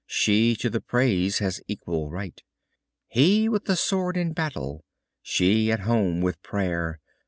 She to the praise has equal right; He with the sword in battle, she at home with prayer.